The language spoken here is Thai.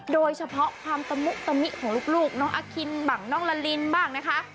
โดยเฉพาะความตะมุตะมิของลูกน้องอาคินบ้างน้องละลินบ้างนะคะ